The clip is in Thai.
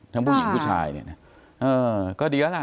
ผู้หญิงผู้ชายเนี่ยนะเออก็ดีแล้วล่ะ